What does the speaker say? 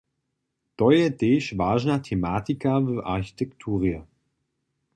To je tež wažna tematika w architekturje.